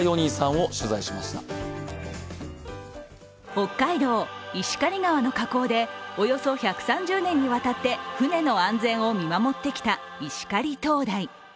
北海道・石狩川の河口でおよそ１３０年にわたって船の安全を見守ってきた石狩灯台。